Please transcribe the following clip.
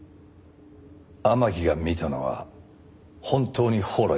天樹が見たのは本当に宝来だったのか？